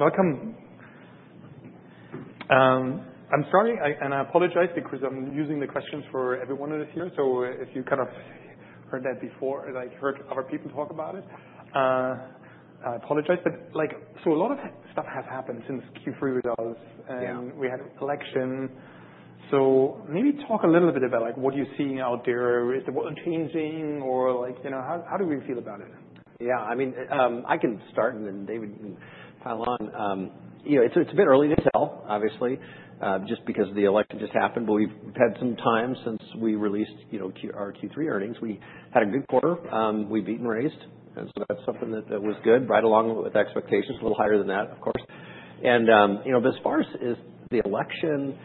Welcome. I'm sorry, and I apologize because I'm using the questions for everyone that is here, so if you kind of heard that before, like heard other people talk about it, I apologize, but like so a lot of stuff has happened since Q3 with us. Yeah. And we had an election. So maybe talk a little bit about, like, what you're seeing out there. Is the world changing? Or, like, you know, how do we feel about it? Yeah. I mean, I can start and then David can pile on. You know, it's a bit early to tell, obviously, just because the election just happened. But we've had some time since we released, you know, our Q3 earnings. We had a good quarter. We beat and raised. And so that's something that was good, right along with expectations, a little higher than that, of course. And, you know, as far as the election and the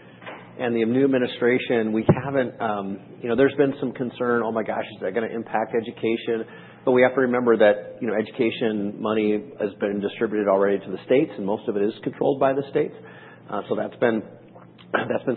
new administration, we haven't. You know, there's been some concern, "Oh my gosh, is that gonna impact education?" But we have to remember that, you know, education money has been distributed already to the states, and most of it is controlled by the states. So that's been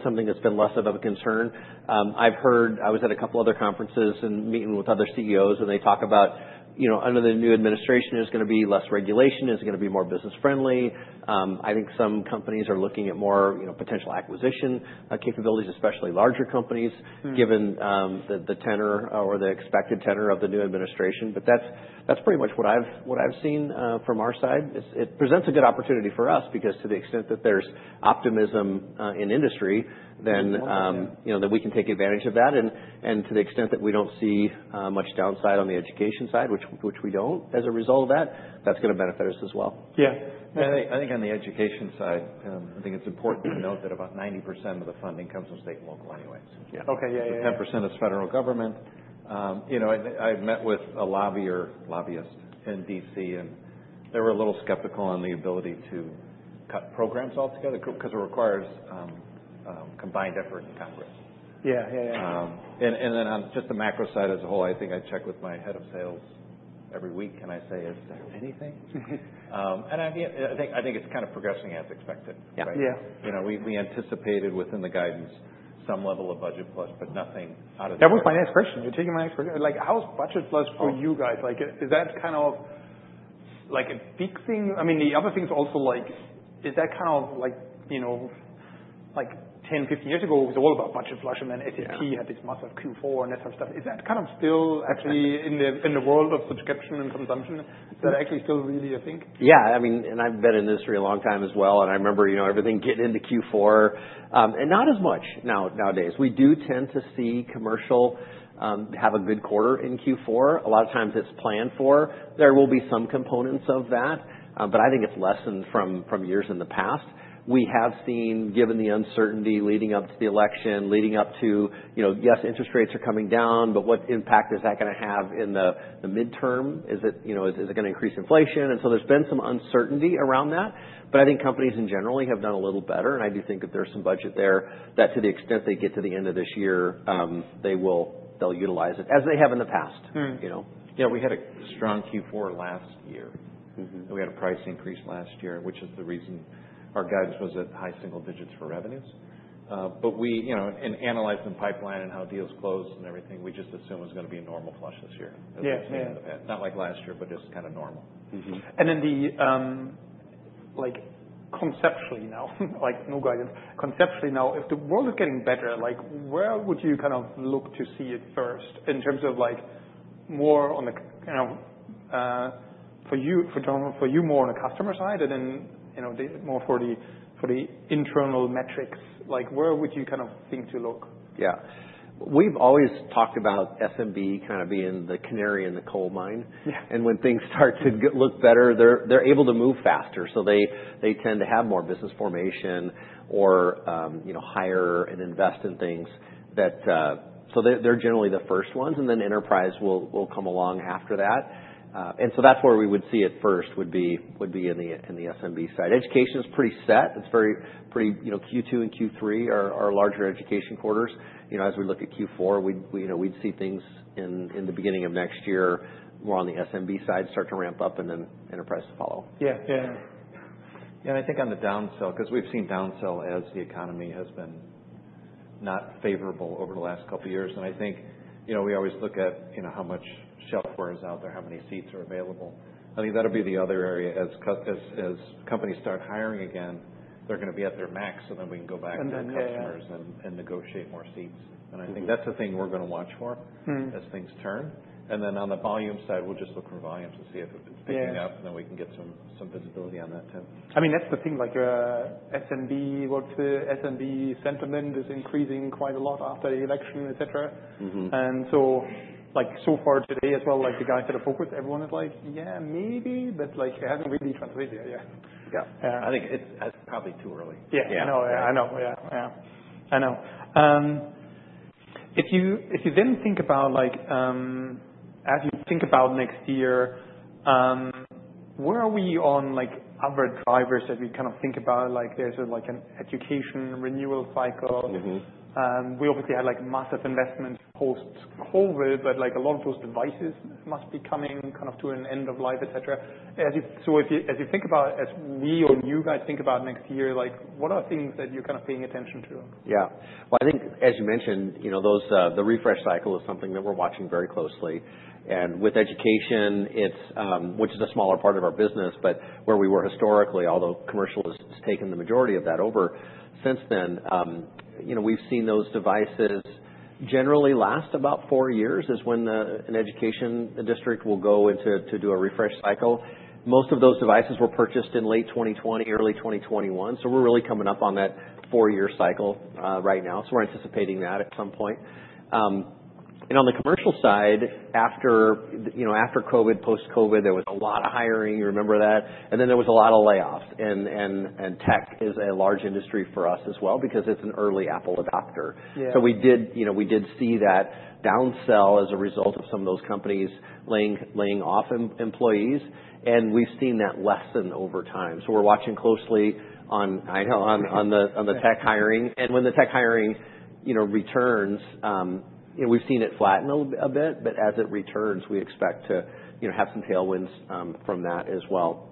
something that's been less of a concern. I've heard. I was at a couple other conferences and meeting with other CEOs, and they talk about, you know, under the new administration, there's gonna be less regulation, there's gonna be more business-friendly. I think some companies are looking at more, you know, potential acquisition, capabilities, especially larger companies. Mm-hmm. Given the tenor, or the expected tenor of the new administration. But that's pretty much what I've seen from our side. It presents a good opportunity for us because to the extent that there's optimism in industry, then, Definitely. You know, that we can take advantage of that. And to the extent that we don't see much downside on the education side, which we don't as a result of that, that's gonna benefit us as well. Yeah. And I think, I think on the education side, I think it's important to note that about 90% of the funding comes from state and local anyways. Yeah. Okay. Yeah. Yeah. So 10% is federal government. You know, I met with a lobbyist in DC, and they were a little skeptical on the ability to cut programs altogether 'cause it requires combined effort in Congress. Yeah. Yeah. Yeah. And then on just the macro side as a whole, I think I check with my head of sales every week, and I say, "Is there anything?" and I mean, I think, I think it's kind of progressing as expected. Yeah. Yeah. Right now, you know, we anticipated within the guidance some level of budget plus, but nothing out of the. That was my next question. You're taking my next question. Like, how's budget plus for you guys? Like, is that kind of like a big thing? I mean, the other thing's also, like, is that kind of like, you know, like 10, 15 years ago, it was all about budget plus and then SAP. Yeah. Had this massive Q4 and that type of stuff. Is that kind of still actually in the world of subscription and consumption? Is that actually still really a thing? Yeah. I mean, and I've been in this for a long time as well. And I remember, you know, everything getting into Q4, and not as much now, nowadays. We do tend to see commercial, have a good quarter in Q4. A lot of times it's planned for. There will be some components of that. But I think it's lessened from years in the past. We have seen, given the uncertainty leading up to the election, you know, yes, interest rates are coming down, but what impact is that gonna have in the midterm? Is it, you know, is it gonna increase inflation? And so there's been some uncertainty around that. But I think companies in general have done a little better. I do think that there's some budget there that to the extent they get to the end of this year, they will - they'll utilize it as they have in the past. You know? Yeah. We had a strong Q4 last year. Mm-hmm. And we had a price increase last year, which is the reason our guidance was at high single digits for revenues. But we, you know, analyzed the pipeline and how deals closed and everything. We just assumed it was gonna be a normal flush this year. Yeah. As we've seen in the past. Not like last year, but just kind of normal. Mm-hmm. And then, like, conceptually now, like, no guidance. Conceptually now, if the world is getting better, like, where would you kind of look to see it first in terms of, like, more on the kind of, for you, for John, for you more on the customer side and then, you know, the more for the internal metrics? Like, where would you kind of think to look? Yeah. We've always talked about SMB kind of being the canary in the coal mine. Yeah. When things start to look better, they're able to move faster. So they tend to have more business formation or, you know, hire and invest in things that, so they're generally the first ones. Then enterprise will come along after that. And so that's where we would see it first would be in the SMB side. Education is pretty set. It's very pretty, you know, Q2 and Q3 are larger education quarters. You know, as we look at Q4, we'd see things in the beginning of next year more on the SMB side start to ramp up and then enterprise follow. Yeah. Yeah. Yeah. And I think on the downsell, 'cause we've seen downsell as the economy has been not favorable over the last couple years. And I think, you know, we always look at, you know, how much shelfware is out there, how many seats are available. I think that'll be the other area as companies start hiring again, they're gonna be at their max, and then we can go back to the customers. And then the. And negotiate more seats, and I think that's the thing we're gonna watch for as things turn, and then on the volume side, we'll just look for volumes to see if it's picking up. Yeah. And then we can get some visibility on that too. I mean, that's the thing. Like, SMB works with SMB sentiment is increasing quite a lot after the election, etc. Mm-hmm. And so, like, so far today as well, like, the guys that are focused, everyone is like, "Yeah, maybe," but, like, it hasn't really translated yet. Yeah. Yeah. Yeah. I think it's probably too early. Yeah. Yeah. If you then think about, like, as you think about next year, where are we on, like, other drivers that we kind of think about? Like, there's a, like, an education renewal cycle. Mm-hmm. We obviously had, like, massive investment post-COVID, but, like, a lot of those devices must be coming kind of to an end of life, etc. As you think about, as we or you guys think about next year, like, what are things that you're kind of paying attention to? Yeah. Well, I think, as you mentioned, you know, those, the refresh cycle is something that we're watching very closely. And with education, it's, which is a smaller part of our business, but where we were historically, although commercial has taken the majority of that over since then, you know, we've seen those devices generally last about four years is when the, an education district will go into, to do a refresh cycle. Most of those devices were purchased in late 2020, early 2021. So we're really coming up on that four-year cycle right now. So we're anticipating that at some point. And on the commercial side, after, you know, after COVID, post-COVID, there was a lot of hiring. You remember that. And then there was a lot of layoffs. And tech is a large industry for us as well because it's an early Apple adopter. Yeah. So we did, you know, we did see that downsell as a result of some of those companies laying off employees. And we've seen that lessen over time. So we're watching closely on, you know, on the tech hiring. And when the tech hiring, you know, returns, you know, we've seen it flatten a little bit, but as it returns, we expect to, you know, have some tailwinds from that as well.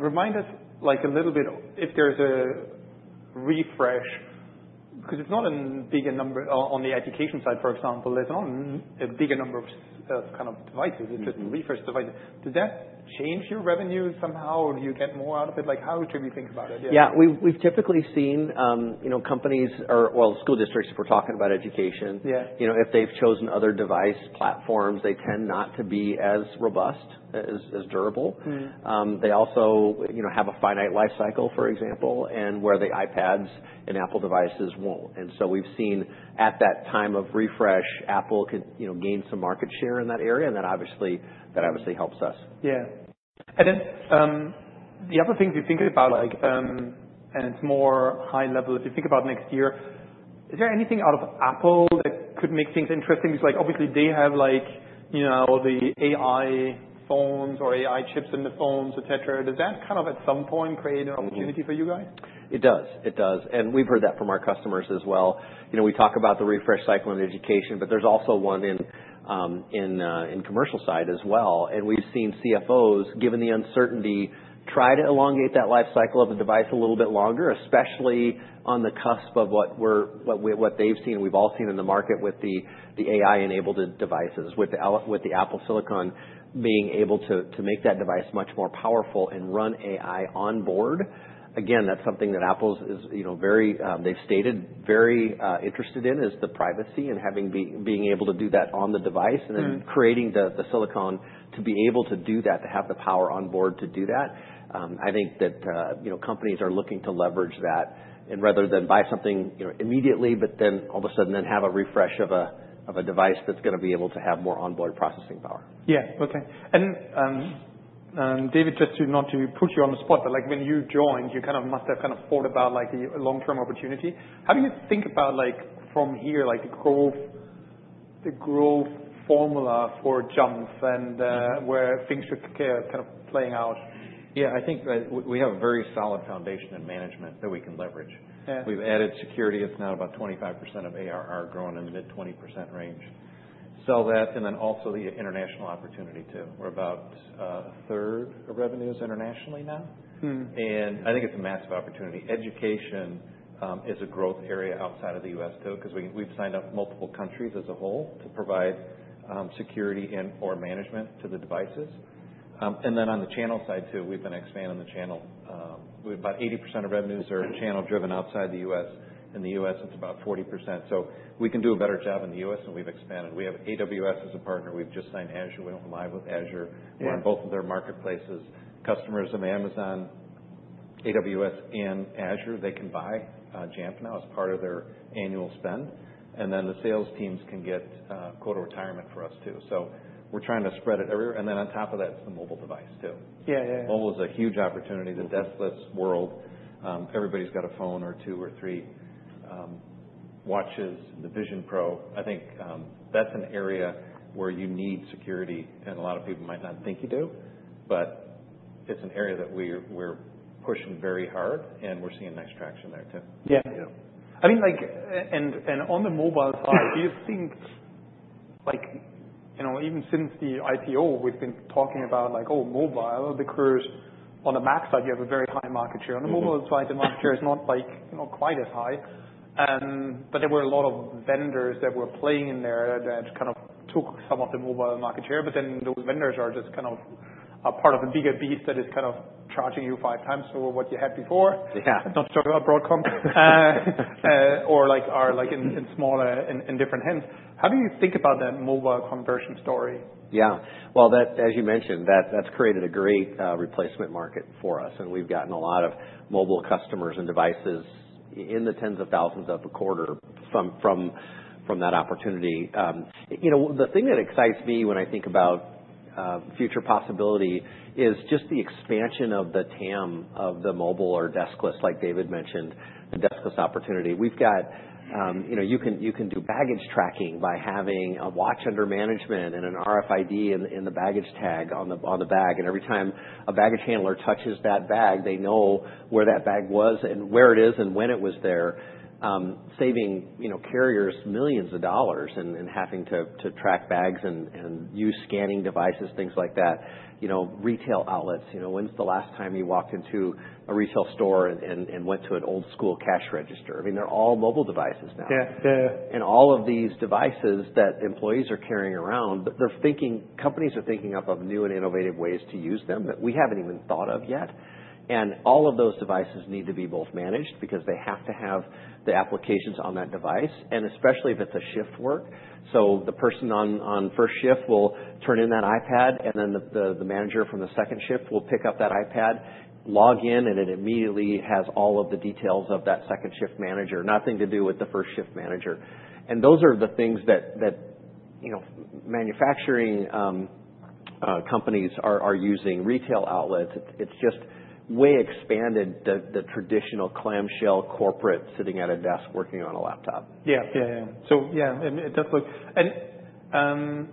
Remind us, like, a little bit if there's a refresh 'cause it's not a bigger number on the education side, for example. There's not a bigger number of kind of devices. Mm-hmm. It's just refresh devices. Does that change your revenue somehow? Do you get more out of it? Like, how should we think about it? Yeah. Yeah. We've typically seen, you know, companies or, well, school districts if we're talking about education. Yeah. You know, if they've chosen other device platforms, they tend not to be as robust as durable. Mm-hmm. They also, you know, have a finite life cycle, for example, and where the iPads and Apple devices won't. And so we've seen at that time of refresh, Apple could, you know, gain some market share in that area. And that obviously helps us. Yeah. And then, the other things you think about, like, and it's more high level, if you think about next year, is there anything out of Apple that could make things interesting? 'Cause, like, obviously they have, like, you know, all the AI phones or AI chips in the phones, etc. Does that kind of at some point create an opportunity for you guys? It does. It does. And we've heard that from our customers as well. You know, we talk about the refresh cycle in education, but there's also one in the commercial side as well. And we've seen CFOs, given the uncertainty, try to elongate that life cycle of a device a little bit longer, especially on the cusp of what we've all seen in the market with the AI-enabled devices, with the Apple silicon being able to make that device much more powerful and run AI onboard. Again, that's something that Apple is, you know, very interested in. They've stated very interested in is the privacy and having being able to do that on the device. Mm-hmm. And then creating the silicon to be able to do that, to have the power onboard to do that. I think that, you know, companies are looking to leverage that and rather than buy something, you know, immediately, but then all of a sudden then have a refresh of a device that's gonna be able to have more onboard processing power. Yeah. Okay. And, David, just to not put you on the spot, but, like, when you joined, you kind of must have kind of thought about, like, the long-term opportunity. How do you think about, like, from here, like, the growth, the growth formula for Jamf and, where things are, kind of playing out? Yeah. I think we have a very solid foundation in management that we can leverage. Yeah. We've added security. It's now about 25% of ARR growing in the mid-20% range. That, and then also the international opportunity too. We're about a third of revenues internationally now. I think it's a massive opportunity. Education is a growth area outside of the U.S. too 'cause we've signed up multiple countries as a whole to provide security and/or management to the devices, and then on the channel side too, we've been expanding the channel. We've about 80% of revenues are channel-driven outside the U.S. In the U.S., it's about 40%. We can do a better job in the U.S., and we've expanded. We have AWS as a partner. We've just signed Azure. We went live with Azure. Yeah. We're in both of their marketplaces. Customers of Amazon, AWS, and Azure, they can buy Jamf now as part of their annual spend. And then the sales teams can get quota retirement for us too. So we're trying to spread it everywhere. And then on top of that, it's the mobile device too. Yeah. Yeah. Yeah. Mobile is a huge opportunity. The deskless world, everybody's got a phone or two or three, watches, the Vision Pro. I think, that's an area where you need security, and a lot of people might not think you do, but it's an area that we're pushing very hard, and we're seeing nice traction there too. Yeah. You know? I mean, like, and on the mobile side, do you think, like, you know, even since the IPO, we've been talking about, like, "Oh, mobile," because on the Mac side, you have a very high market share. Mm-hmm. On the mobile side, the market share is not, like, you know, quite as high. But there were a lot of vendors that were playing in there that kind of took some of the mobile market share. But then those vendors are just kind of a part of a bigger beast that is kind of charging you five times for what you had before. Yeah. Not to talk about Broadcom or, like, in smaller, in different hands. How do you think about that mobile conversion story? Yeah. Well, that, as you mentioned, that's created a great replacement market for us. And we've gotten a lot of mobile customers and devices in the tens of thousands a quarter from that opportunity. You know, the thing that excites me when I think about future possibility is just the expansion of the TAM of the mobile or deskless, like David mentioned, the deskless opportunity. We've got, you know, you can do baggage tracking by having a watch under management and an RFID in the baggage tag on the bag. And every time a baggage handler touches that bag, they know where that bag was and where it is and when it was there, saving, you know, carriers millions of dollars and having to track bags and use scanning devices, things like that. You know, retail outlets, you know, when's the last time you walked into a retail store and went to an old-school cash register? I mean, they're all mobile devices now. Yeah. Yeah. Yeah. And all of these devices that employees are carrying around, they're thinking, companies are thinking up of new and innovative ways to use them that we haven't even thought of yet. And all of those devices need to be both managed because they have to have the applications on that device, and especially if it's a shift work. So the person on first shift will turn in that iPad, and then the manager from the second shift will pick up that iPad, log in, and it immediately has all of the details of that second shift manager, nothing to do with the first shift manager. And those are the things that, you know, manufacturing companies are using retail outlets. It's just way expanded the traditional clamshell corporate sitting at a desk working on a laptop. Yeah. So yeah, it does look. And,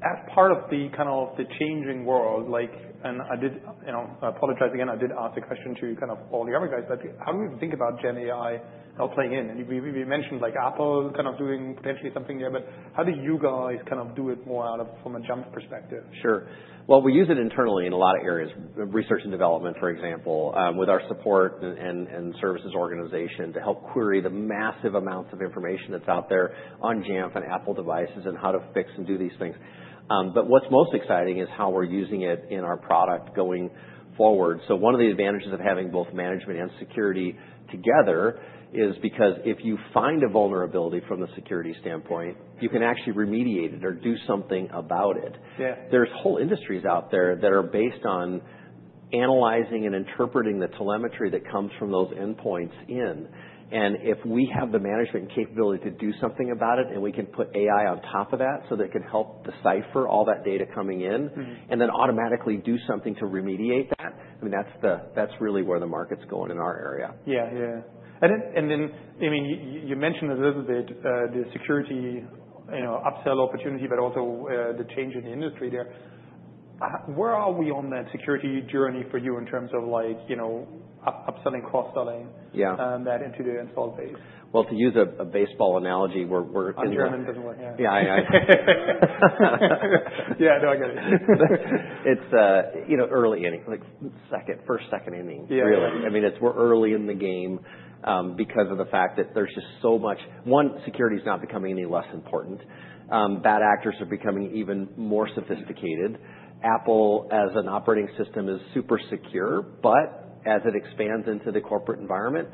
as part of the kind of changing world, like, and I did, you know, I apologize again. I did ask the question to kind of all the other guys, but how do you think about GenAI now playing in? And we mentioned, like, Apple kind of doing potentially something there, but how do you guys kind of do it more out of from a Jamf perspective? Sure. Well, we use it internally in a lot of areas, research and development, for example, with our support and services organization to help query the massive amounts of information that's out there on Jamf and Apple devices and how to fix and do these things. But what's most exciting is how we're using it in our product going forward. So one of the advantages of having both management and security together is because if you find a vulnerability from the security standpoint, you can actually remediate it or do something about it. Yeah. There's whole industries out there that are based on analyzing and interpreting the telemetry that comes from those endpoints in, and if we have the management capability to do something about it, and we can put AI on top of that so that it can help decipher all that data coming in. Mm-hmm. And then automatically do something to remediate that, I mean, that's the, that's really where the market's going in our area. Yeah. And then, I mean, you mentioned a little bit the security, you know, upsell opportunity, but also the change in the industry there. Where are we on that security journey for you in terms of, like, you know, upselling, cross-selling? Yeah. that into the installed base? Well, to use a baseball analogy, we're in the. German doesn't work. Yeah. Yeah. Yeah. Yeah. No, I get it. It's, you know, early innings, like second innings, really. Yeah. I mean, it's, we're early in the game, because of the fact that there's just so much. One, security is not becoming any less important. Bad actors are becoming even more sophisticated. Apple, as an operating system, is super secure, but as it expands into the corporate environment,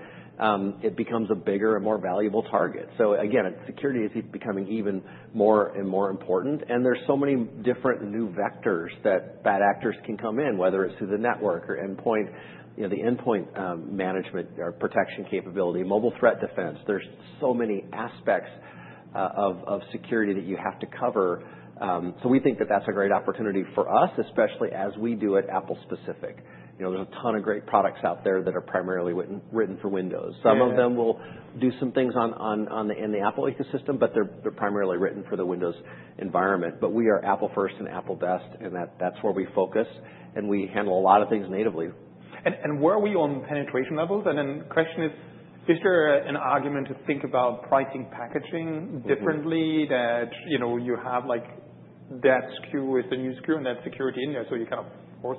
it becomes a bigger and more valuable target. So again, security is becoming even more and more important, and there's so many different new vectors that bad actors can come in, whether it's through the network or endpoint, you know, the endpoint, management or protection capability, mobile threat defense. There's so many aspects of security that you have to cover. So we think that that's a great opportunity for us, especially as we do it Apple-specific. You know, there's a ton of great products out there that are primarily written for Windows. Yeah. Some of them will do some things in the Apple ecosystem, but they're primarily written for the Windows environment. But we are Apple-first and Apple-best, and that's where we focus. And we handle a lot of things natively. And where are we on penetration levels? And then question is, is there an argument to think about pricing packaging differently that, you know, you have, like, that SKU is the new SKU and that security in there so you kind of force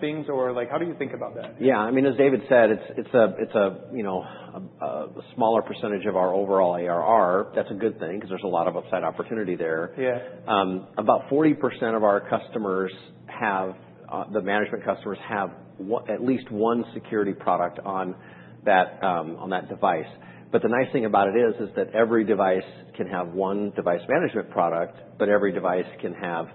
things? Or, like, how do you think about that? Yeah. I mean, as David said, it's a, you know, a smaller percentage of our overall ARR. That's a good thing 'cause there's a lot of upside opportunity there. Yeah. About 40% of our customers have, the management customers have at least one security product on that device. But the nice thing about it is that every device can have one device management product, but every device can have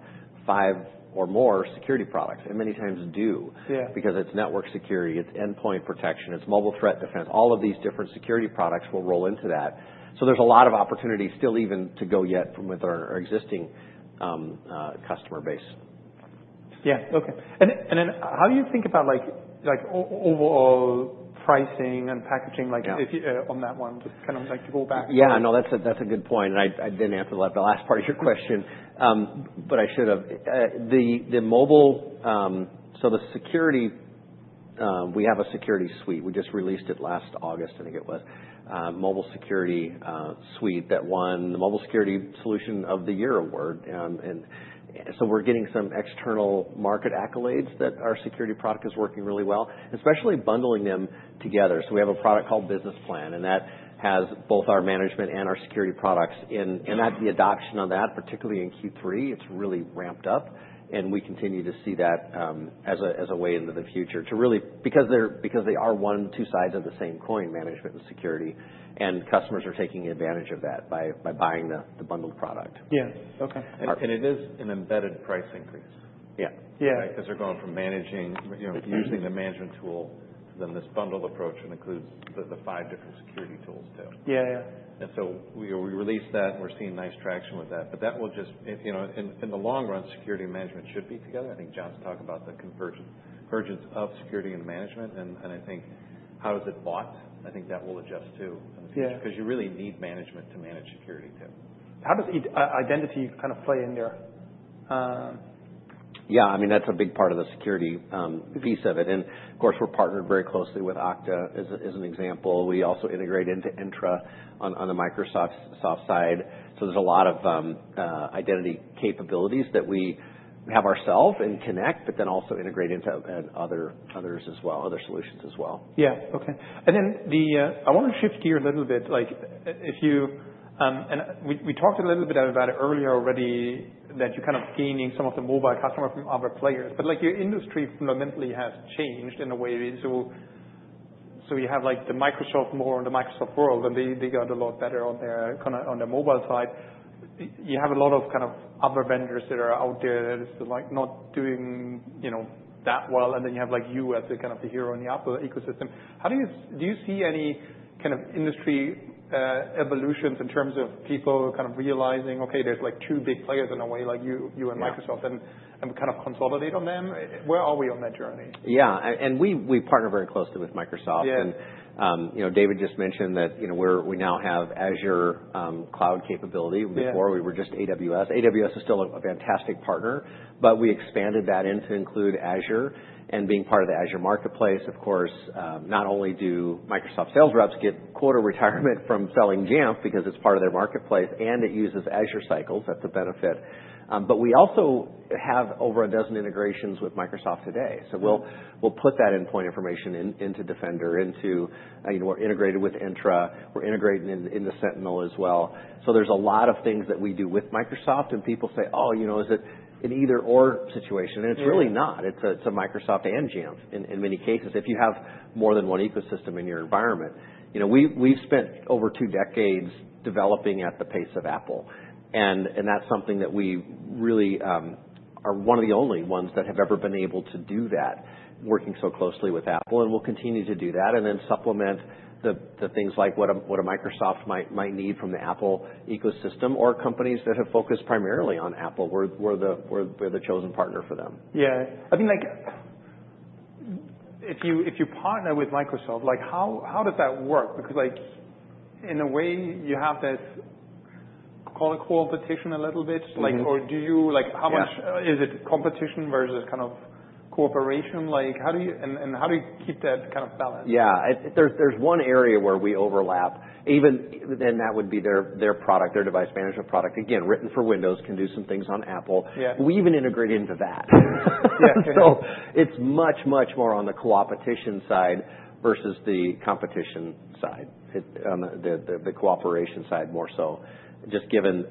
five or more security products, and many times do. Yeah. Because it's network security, it's endpoint protection, it's mobile threat defense. All of these different security products will roll into that. So there's a lot of opportunity still even to grow yet from within our existing customer base. Yeah. Okay. And then how do you think about, like, overall pricing and packaging, like? Yeah. If you, on that one, just kind of like to go back. Yeah. No, that's a good point. And I didn't answer the last part of your question, but I should have. The mobile, so the security, we have a security suite. We just released it last August, I think it was, mobile security suite that won the Mobile Security Solution of the Year award. And so we're getting some external market accolades that our security product is working really well, especially bundling them together. So we have a product called Business Plan, and that has both our management and our security products in. Yeah. That, the adoption of that, particularly in Q3, it's really ramped up. We continue to see that as a way into the future to really because they are one and two sides of the same coin, management and security. Customers are taking advantage of that by buying the bundled product. Yeah. Okay. It is an embedded price increase. Yeah. Yeah. Right? 'Cause they're going from managing, you know, using the management tool to then this bundled approach that includes the five different security tools too. Yeah. Yeah. And so we released that, and we're seeing nice traction with that. But that will just, you know, in the long run, security and management should be together. I think John's talked about the convergence of security and management. And I think how it's bought, I think that will adjust too in the future. Yeah. 'Cause you really need management to manage security too. How does i-identity kind of play in there? Yeah. I mean, that's a big part of the security piece of it. And of course, we're partnered very closely with Okta as an example. We also integrate into Entra on the Microsoft side. So there's a lot of identity capabilities that we have ourselves and connect, but then also integrate into other solutions as well. Yeah. Okay, and then I want to shift gears a little bit. Like, if you, and we, we talked a little bit about it earlier already that you're kind of gaining some of the mobile customers from other players. Like, your industry fundamentally has changed in a way. You have, like, the Microsoft more on the Microsoft world, and they, they got a lot better on their kind of on their mobile side. You have a lot of kind of other vendors that are out there that are still, like, not doing, you know, that well. Then you have, like, you as the kind of the hero in the Apple ecosystem. How do you see any kind of industry evolutions in terms of people kind of realizing, "Okay, there's, like, two big players in a way, like you and Microsoft," and kind of consolidate on them? Where are we on that journey? Yeah. And we partner very closely with Microsoft. Yeah. You know, David just mentioned that, you know, we now have Azure cloud capability. Yeah. Before, we were just AWS. AWS is still a fantastic partner, but we expanded that into include Azure. Being part of the Azure marketplace, of course, not only do Microsoft sales reps get quota retirement from selling Jamf because it's part of their marketplace, and it uses Azure cycles. That's a benefit, but we also have over a dozen integrations with Microsoft today. Yeah. So we'll put that endpoint information into Defender, you know, we're integrated with Entra. We're integrating in the Sentinel as well. So there's a lot of things that we do with Microsoft, and people say, "Oh, you know, is it an either/or situation?" And it's really not. It's a Microsoft and Jamf in many cases. If you have more than one ecosystem in your environment, you know, we've spent over two decades developing at the pace of Apple. And that's something that we really are one of the only ones that have ever been able to do that, working so closely with Apple. And we'll continue to do that and then supplement the things like what a Microsoft might need from the Apple ecosystem or companies that have focused primarily on Apple. We're the chosen partner for them. Yeah. I mean, like, if you partner with Microsoft, like, how does that work? Because, like, in a way, you have this call it co-opetition a little bit. Yeah. Like, or do you, like, how much is it competition versus kind of cooperation? Like, how do you, and how do you keep that kind of balance? Yeah. There's one area where we overlap. Even then that would be their product, their device management product, again, written for Windows, can do some things on Apple. Yeah. We even integrate into that. Yeah. It's much, much more on the co-opetition side versus the competition side, on the cooperation side more so, just given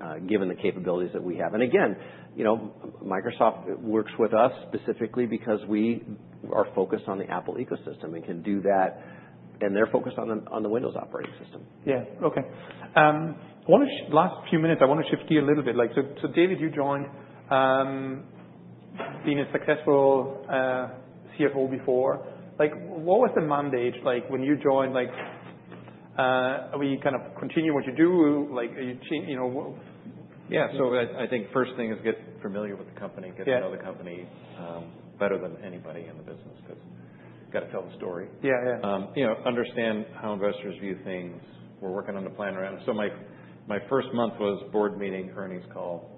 the capabilities that we have. And again, you know, Microsoft works with us specifically because we are focused on the Apple ecosystem and can do that. And they're focused on the Windows operating system. Yeah. Okay. I want to shift gears a little bit. Like, so David, you joined, being a successful CFO before. Like, what was the mandate, like, when you joined, like, are we kind of continuing what you do? Like, are you changing, you know? Yeah. So I think first thing is get familiar with the company, get to know the company. Yeah. Better than anybody in the business 'cause you gotta tell the story. Yeah. Yeah. You know, understand how investors view things. We're working on the plan around it. So my first month was board meeting, earnings call,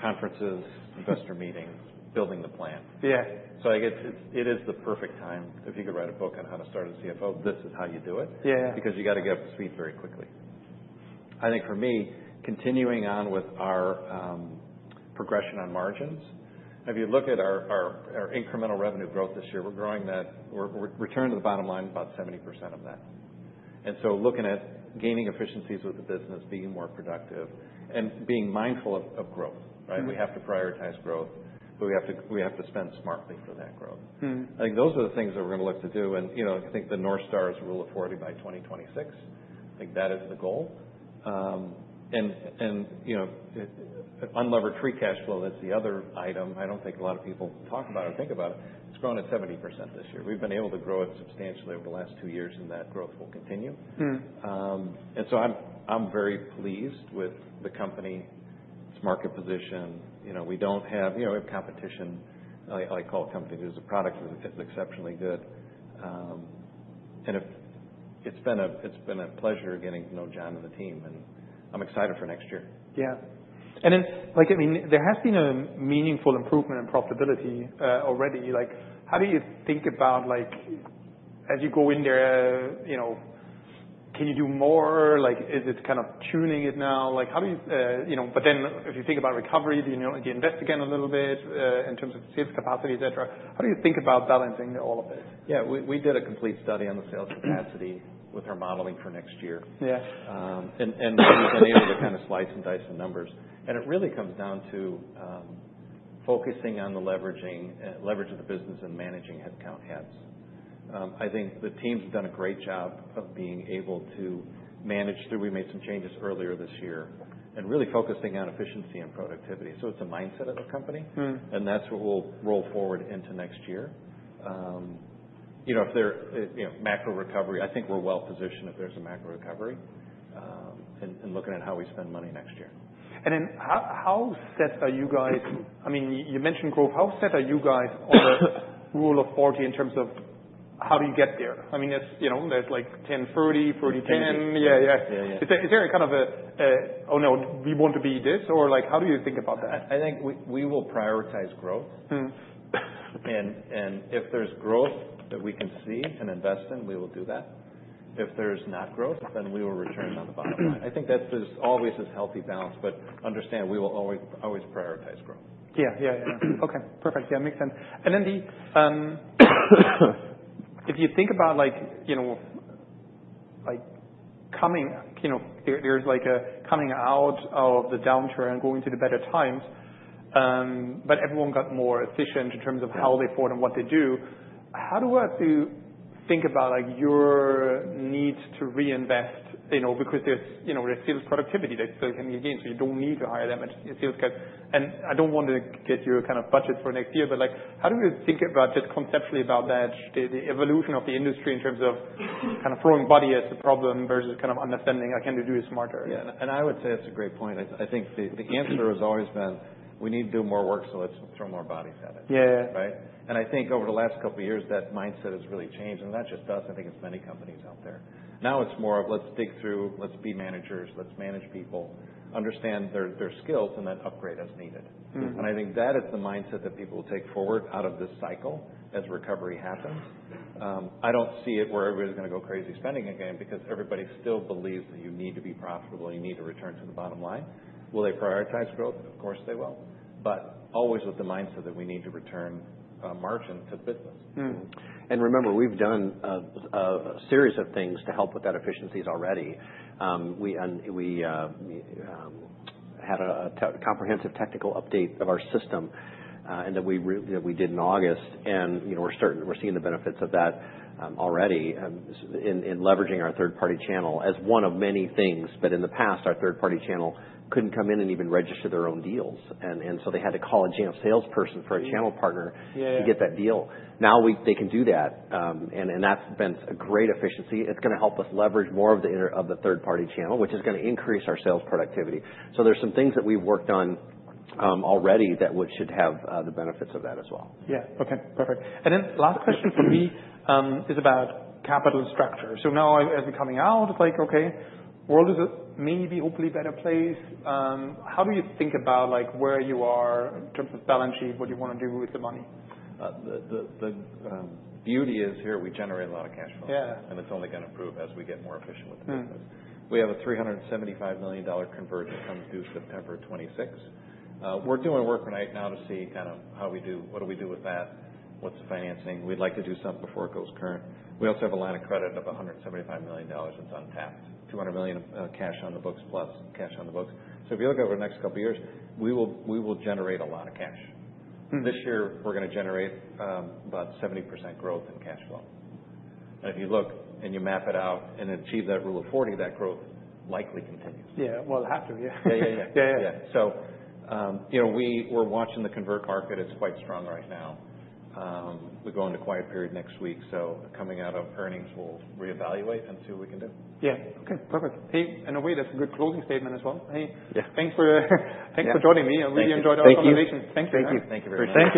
conferences, investor meetings, building the plan. Yeah. So I guess it is the perfect time. If you could write a book on how to start as CFO, this is how you do it. Yeah. Yeah. Because you gotta get up to speed very quickly. I think for me, continuing on with our progression on margins. If you look at our incremental revenue growth this year, we're growing that, we're returned to the bottom line about 70% of that. And so looking at gaining efficiencies with the business, being more productive, and being mindful of growth, right? Mm-hmm. We have to prioritize growth, but we have to spend smartly for that growth. Mm-hmm. I think those are the things that we're gonna look to do, and you know, I think the North Star is Rule of 40 by 2026. I think that is the goal, and you know, unlevered free cash flow, that's the other item. I don't think a lot of people talk about or think about it. It's grown at 70% this year. We've been able to grow it substantially over the last two years, and that growth will continue. Mm-hmm. I'm very pleased with the company, its market position. You know, we don't have, you know, we have competition. I call it competition 'cause the product is exceptionally good. It's been a pleasure getting to know John and the team, and I'm excited for next year. Yeah. And then, like, I mean, there has been a meaningful improvement in profitability, already. Like, how do you think about, like, as you go in there, you know, can you do more? Like, is it kind of tuning it now? Like, how do you, you know, but then if you think about recovery, do you know, do you invest again a little bit, in terms of sales capacity, etc.? How do you think about balancing all of it? Yeah. We did a complete study on the sales capacity with our modeling for next year. Yeah. And we've been able to kind of slice and dice the numbers. And it really comes down to focusing on the leveraging, leverage of the business and managing headcount heads. I think the teams have done a great job of being able to manage through. We made some changes earlier this year and really focusing on efficiency and productivity. So it's a mindset of the company. Mm-hmm. And that's what we'll roll forward into next year. You know, I think we're well positioned if there's a macro recovery, and looking at how we spend money next year. And then how set are you guys? I mean, you mentioned growth. How set are you guys on the Rule of 40 in terms of how do you get there? I mean, it's, you know, there's like 10/30, 30/10. 10/10. Yeah. Yeah. Yeah. Yeah. Is there kind of a, "Oh, no, we want to be this"? Or, like, how do you think about that? I think we will prioritize growth. Mm-hmm. If there's growth that we can see and invest in, we will do that. If there's not growth, then we will return on the bottom line. I think that's, as always, a healthy balance, but understand we will always, always prioritize growth. Yeah. Yeah. Yeah. Okay. Perfect. Yeah. Makes sense, and then, if you think about, like, you know, coming out of the downturn and going to the better times, but everyone got more efficient in terms of how they fought and what they do, how do I have to think about, like, your need to reinvest, you know, because there's sales productivity that's still coming again, so you don't need to hire that much sales guys, and I don't want to get into your kind of budgets for next year, but, like, how do you think about just conceptually about that, the evolution of the industry in terms of kind of throwing bodies at a problem versus kind of understanding, "I can do this smarter"? Yeah. And I would say that's a great point. I think the answer has always been, "We need to do more work, so let's throw more bodies at it. Yeah. Right? And I think over the last couple of years, that mindset has really changed. And not just us, I think it's many companies out there. Now it's more of, "Let's dig through, let's be managers, let's manage people, understand their skills, and then upgrade as needed. Mm-hmm. I think that is the mindset that people will take forward out of this cycle as recovery happens. I don't see it where everybody's gonna go crazy spending again because everybody still believes that you need to be profitable, you need to return to the bottom line. Will they prioritize growth? Of course, they will, but always with the mindset that we need to return a margin to the business. Mm-hmm. And remember, we've done a series of things to help with that efficiencies already. We had a comprehensive technical update of our system, and that we did in August. You know, we're seeing the benefits of that already in leveraging our third-party channel as one of many things. But in the past, our third-party channel couldn't come in and even register their own deals. So they had to call a Jamf salesperson for a channel partner. Yeah. Yeah. To get that deal. Now they can do that, and that's been a great efficiency. It's gonna help us leverage more of the inner of the third-party channel, which is gonna increase our sales productivity. So there's some things that we've worked on already that should have the benefits of that as well. Yeah. Okay. Perfect, and then last question for me is about capital structure, so now as we're coming out, it's like, "Okay, world is a maybe hopefully better place." How do you think about, like, where you are in terms of balance sheet, what you want to do with the money? The beauty is here we generate a lot of cash flow. Yeah. It's only gonna improve as we get more efficient with the business. Mm-hmm. We have a $375 million convertible note that comes due September 26. We're doing work right now to see kind of how we do, what do we do with that, what's the financing. We'd like to do something before it goes current. We also have a line of credit of $175 million that's untapped, $200 million cash on the books plus cash on the books. So if you look over the next couple of years, we will, we will generate a lot of cash. Mm-hmm. This year, we're gonna generate about 70% growth in cash flow. And if you look and you map it out and achieve that Rule of 40, that growth likely continues. Yeah. Well, it'll have to. Yeah. Yeah. Yeah. Yeah. Yeah. Yeah. Yeah. So, you know, we were watching the convertible market. It's quite strong right now. We go into quiet period next week. So coming out of earnings, we'll reevaluate and see what we can do. Yeah. Okay. Perfect. Hey, in a way, that's a good closing statement as well. Hey. Yeah. Thanks for joining me. Yeah. Thank you. I really enjoyed our conversation. Thank you. Thanks for that. Thank you. Thank you very much. Appreciate it.